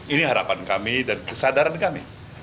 ini harapan kami dan kesadaran kami